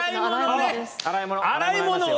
洗い物ね！